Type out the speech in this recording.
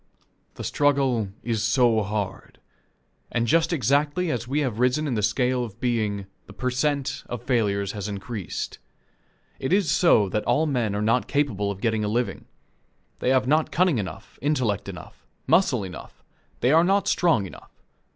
The struggle is so hard. And just exactly as we have risen in the scale of being, the per cent, of failures has increased. It is so that all men are not capable of getting a living. They have not cunning enough, intellect enough, muscle enough they are not strong enough.